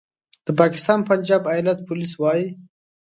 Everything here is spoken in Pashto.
د پاکستان پنجاب ایالت پولیس وايي